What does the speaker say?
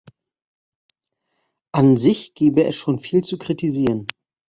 An sich gäbe es schon viel zu kritisieren.